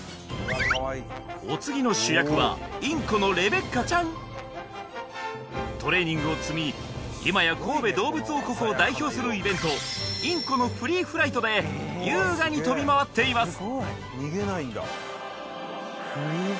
お次の主役はインコのレベッカちゃんトレーニングを積み今や神戸どうぶつ王国を代表するイベントインコのフリーフライトで優雅に飛びまわっています